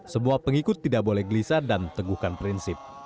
sebuah pengikut tidak boleh gelisah dan teguhkan prinsip